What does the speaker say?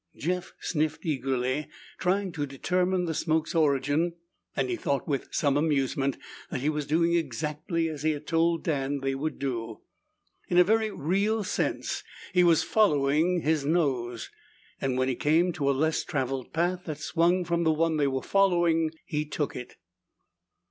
Jeff sniffed eagerly, trying to determine the smoke's origin, and he thought with some amusement that he was doing exactly as he had told Dan they would do. In a very real sense he was following his nose, and when he came to a less traveled path that swung from the one they were following, he took it.